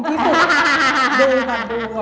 ดูดูอ่ะ